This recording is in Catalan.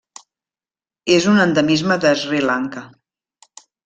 És un endemisme de Sri Lanka.